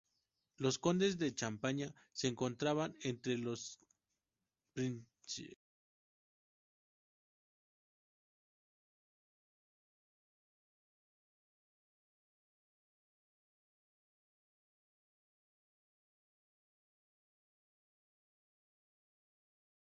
No hay antecedentes de juicio, sentencia y liberación.